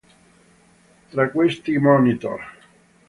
Tra questi: "Monitor".